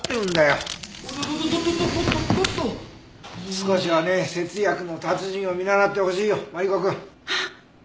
少しはね節約の達人を見習ってほしいよマリコくん。あっ！